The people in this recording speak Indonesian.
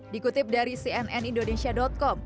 dikutip dari cnnindonesia com